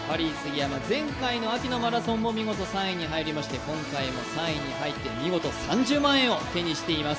前回の秋のマラソンも見事、３位に入りまして今回も３位に入って見事３０万円を手にしています。